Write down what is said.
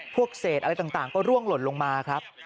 พวกเศษอะไรต่างก็ร่วงหล่นลงมาครับ